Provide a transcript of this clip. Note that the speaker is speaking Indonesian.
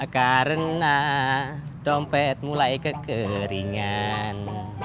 karena dompet mulai kekeringan